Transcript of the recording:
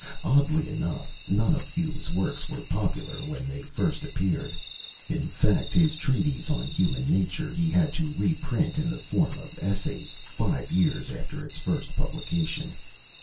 Oddly enough, none of Hume's works were popular when they first appeared. In fact, his "Treatise on Human Nature" he had to reprint in the form of Essays, five years after its first publication.